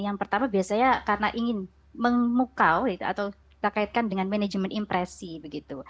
yang pertama biasanya karena ingin memukau atau kita kaitkan dengan manajemen impresi begitu